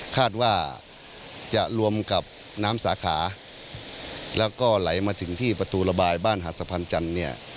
คาดว่าจะรวมกับน้ำสาขาแล้วก็ไหลมาถึงที่ประตูระบายบ้านหาดสะพานจันทร์เนี่ย